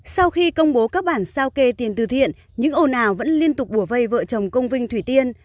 sau khi công bố các bản sao kê tiền từ thiện những ồn ào vẫn liên tục bùa vây vợ chồng công vinh thủy tiên